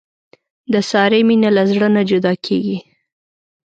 د سارې مینه له زړه نه جدا کېږي.